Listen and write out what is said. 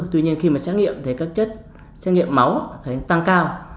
tuy nhiên khi mà xét nghiệm thấy các chất xét nghiệm máu tăng cao